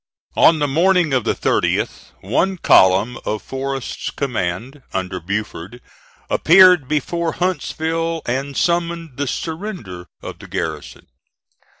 On the morning of the 30th, one column of Forrest's command, under Buford, appeared before Huntsville, and summoned the surrender of the garrison.